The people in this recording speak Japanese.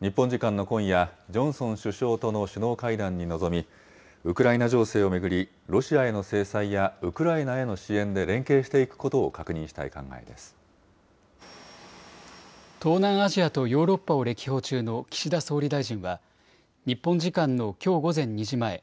日本時間の今夜、ジョンソン首相との首脳会談に臨み、ウクライナ情勢を巡り、ロシアへの制裁やウクライナへの支援で連携していくことを確認し東南アジアとヨーロッパを歴訪中の岸田総理大臣は、日本時間のきょう午前２時前